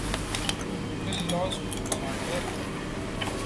"The Lost Commander".